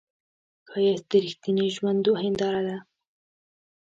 ښایست د رښتینې ژوندو هنداره ده